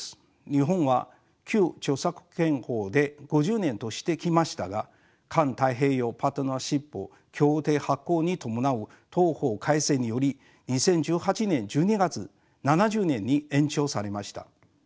日本は旧著作権法で５０年としてきましたが環太平洋パートナーシップ協定発効に伴う同法改正により２０１８年１２月７０年に延長されました。